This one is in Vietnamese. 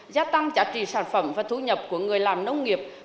giá tăng trả trì sản phẩm và thu nhập của người làm nông nghiệp